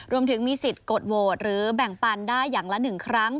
รวมถึงมีสิทธิ์กดโหวตหรือแบ่งปันได้อย่างละ๑ครั้ง